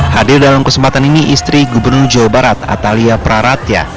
hadir dalam kesempatan ini istri gubernur jawa barat atalia praratya